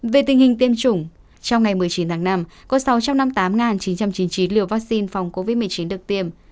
về tình hình tiêm chủng trong ngày một mươi chín tháng năm có sáu trăm năm mươi tám chín trăm chín mươi chín liều vaccine phòng covid một mươi chín được tiêm